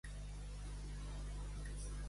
Llàstima és morir-se i no anar al cel.